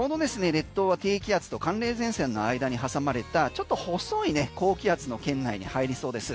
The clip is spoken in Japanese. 列島は低気圧と寒冷前線の間に挟まれたちょっと細い高気圧の圏内に入りそうです。